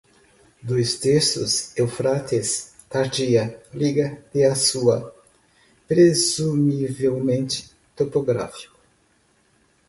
Dois terços, Eufrates, tardia, liga de Assua, presumivelmente, topográfico